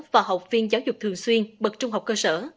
và học viên giáo dục thường xuyên bậc trung học cơ sở